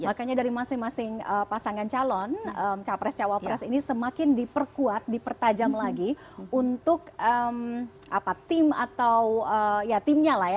karena itu artinya dari masing masing pasangan calon capres cawapres ini semakin diperkuat dipertajam lagi untuk apa tim atau ya timnya lah ya